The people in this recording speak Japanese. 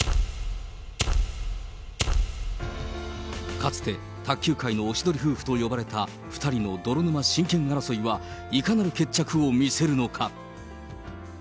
かつて、卓球界のおしどり夫婦と呼ばれた２人の泥沼親権争いは、いかなる決着を見せるのか。